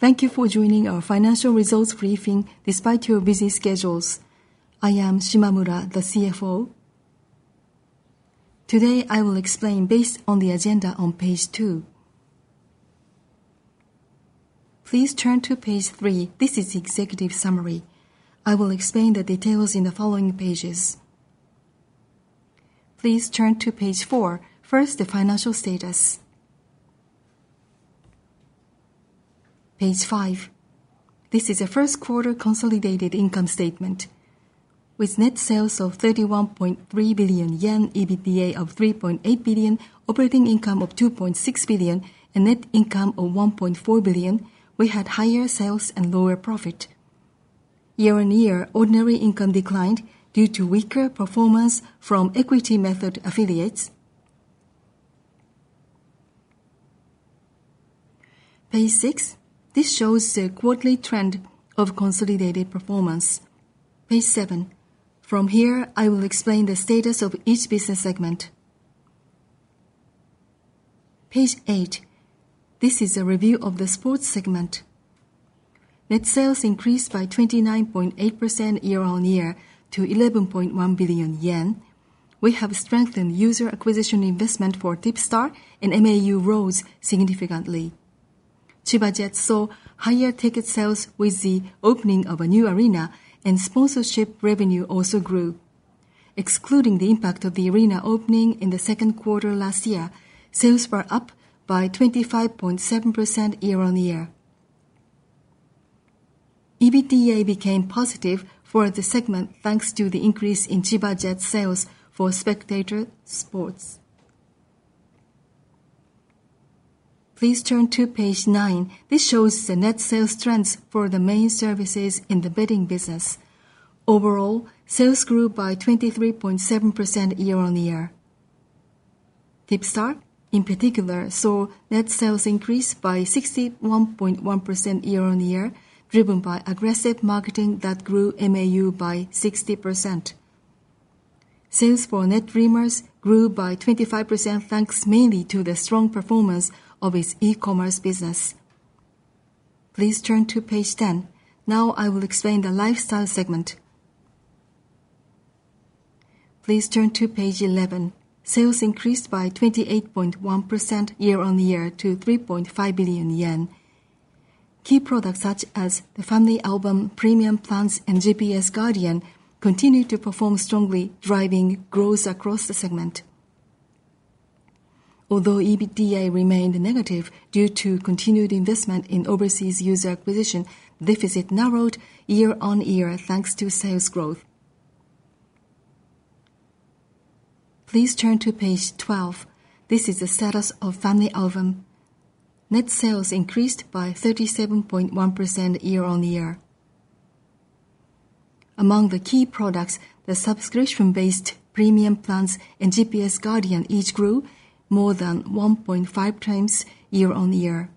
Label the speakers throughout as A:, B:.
A: Thank you for joining our financial results briefing despite your busy schedules. I am Shimamura, the CFO. Today, I will explain based on the agenda on page two. Please turn to page three. This is the executive summary. I will explain the details in the following pages. Please turn to page four. First, the financial status. Page five. This is a first-quarter consolidated income statement. With net sales of 31.3 billion yen, EBITDA of 3.8 billion, operating income of 2.6 billion, and net income of 1.4 billion, we had higher sales and lower profit. Year-on-year, ordinary income declined due to weaker performance from equity method affiliates. Page six. This shows the quarterly trend of consolidated performance. Page seven. From here, I will explain the status of each business segment. Page eight. This is a review of the sports segment. Net sales increased by 29.8% year-on-year to 11.1 billion yen. We have strengthened user acquisition investment for DeepStar and MAU rose significantly. Chiba Jets saw higher ticket sales with the opening of a new arena, and sponsorship revenue also grew. Excluding the impact of the arena opening in the second quarter last year, sales were up by 25.7% year-on-year. EBITDA became positive for the segment thanks to the increase in Chiba Jets' sales for spectator sports. Please turn to page nine. This shows the net sales trends for the main services in the betting business. Overall, sales grew by 23.7% year-on-year. DeepStar, in particular, saw net sales increase by 61.1% year-on-year, driven by aggressive marketing that grew MAU by 60%. Sales for NetDreamers grew by 25% thanks mainly to the strong performance of its e-commerce business. Please turn to page 10. Now, I will explain the lifestyle segment. Please turn to page 11. Sales increased by 28.1% year-on-year to 3.5 billion yen. Key products such as FamilyAlbum, Premium Plans, and GPS Guardian continue to perform strongly, driving growth across the segment. Although EBITDA remained negative due to continued investment in overseas user acquisition, deficit narrowed year-on-year thanks to sales growth. Please turn to page 12. This is the status of FamilyAlbum. Net sales increased by 37.1% year-on-year. Among the key products, the subscription-based Premium Plans and GPS Guardian each grew more than 1.5x year-on-year.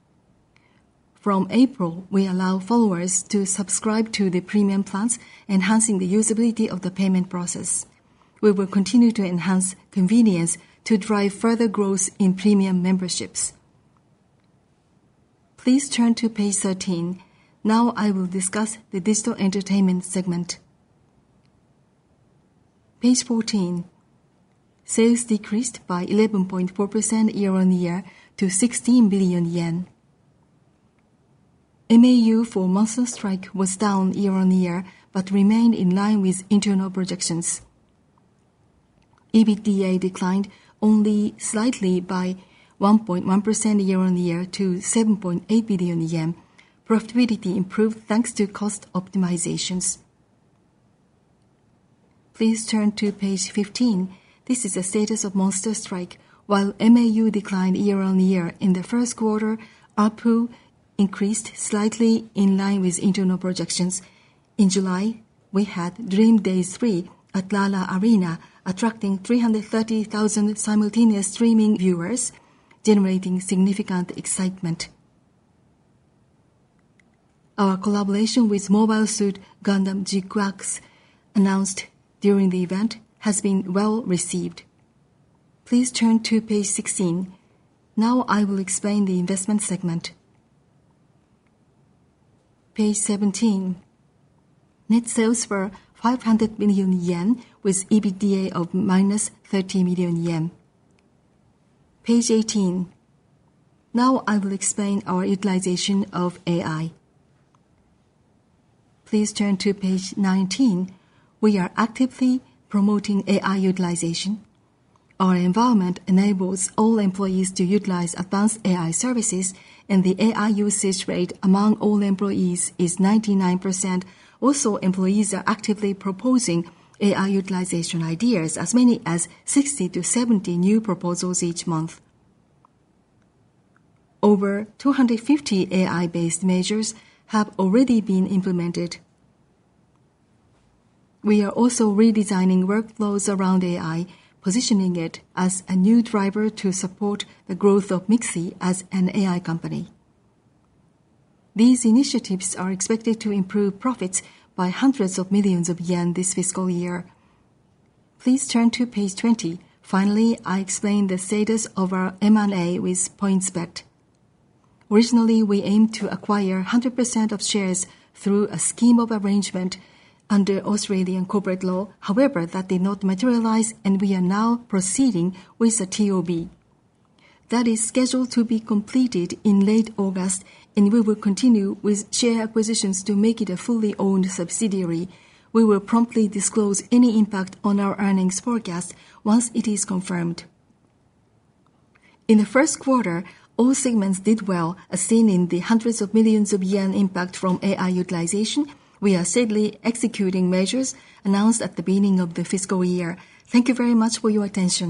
A: From April, we allowed followers to subscribe to the Premium Plans, enhancing the usability of the payment process. We will continue to enhance convenience to drive further growth in Premium memberships. Please turn to page 13. Now, I will discuss the digital entertainment segment. Page 14. Sales decreased by 11.4% year-on-year to 16 billion yen. MAU for Monster Strike was down year-on-year but remained in line with internal projections. EBITDA declined only slightly by 1.1% year-on-year to 7.8 billion yen. Profitability improved thanks to cost optimizations. Please turn to page 15. This is the status of Monster Strike. While MAU declined year-on-year in the first quarter, APU increased slightly in line with internal projections. In July, we had Monster Strike’s Dream Day 3 at LaLa arena TOKYO-BAY, attracting 330,000 simultaneous streaming viewers, generating significant excitement. Our collaboration with Mobile Suit Gundam G-Cracks, announced during the event, has been well received. Please turn to page 16. Now, I will explain the investment segment. Page 17. Net sales were 500 million yen, with EBITDA of -30 million yen. Page 18. Now, I will explain our utilization of AI. Please turn to page 19. We are actively promoting AI utilization. Our environment enables all employees to utilize advanced AI services, and the AI usage rate among all employees is 99%. Also, employees are actively proposing AI utilization ideas, as many as 60-70 new proposals each month. Over 250 AI-driven initiatives have already been implemented. We are also redesigning workflows around AI, positioning it as a new driver to support the growth of MIXI as an AI company. These initiatives are expected to improve profits by hundreds of millions of JPY this fiscal year. Please turn to page 20. Finally, I explain the status of our M&A with PointsBet Holdings. Originally, we aimed to acquire 100% of shares through a scheme of arrangement under Australian corporate law. However, that did not materialize, and we are now proceeding with a take over bid. That is scheduled to be completed in late August, and we will continue with share acquisitions to make it a fully owned subsidiary. We will promptly disclose any impact on our earnings forecast once it is confirmed. In the first quarter, all segments did well, as seen in the hundreds of millions of JPY impact from AI utilization. We are steadily executing measures announced at the beginning of the fiscal year. Thank you very much for your attention.